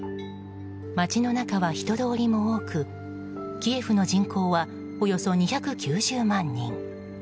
街の中は人通りも多くキエフの人口はおよそ２９０万人。